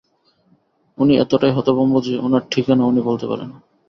উনি এতটাই হতভম্ব যে, উনার ঠিকানাও উনি বলতে পারে না।